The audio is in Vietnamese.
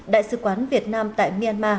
đại sứ quán việt nam tại myanmar